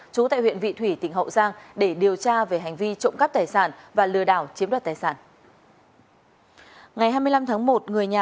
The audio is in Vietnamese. trú tại huyện vị thủy tỉnh hậu giang để điều tra về hành vi trộm cắp tài sản và lừa đảo chiếm đoạt tài sản